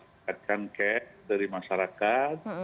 mengingatkan care dari masyarakat